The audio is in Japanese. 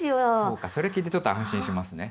そうかそれ聞いてちょっと安心しますね。